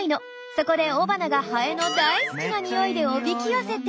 そこで雄花がハエの大好きな匂いでおびき寄せて。